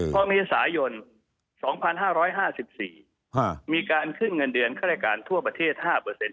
พอมีศาโยน๒๕๕๔มีการขึ้นเงินเดือนข้าระการทั่วประเทศ๕เปอร์เซ็นต์